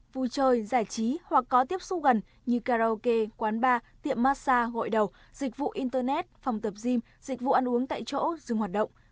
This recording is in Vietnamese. vui chơi giải trí hoặc có tiếp xúc gần như karaoke quán bar tiệm massage hội đầu dịch vụ internet phòng tập gym dịch vụ ăn uống tại chỗ dừng hoạt động